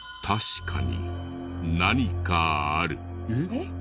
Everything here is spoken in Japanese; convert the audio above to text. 確かに何かある。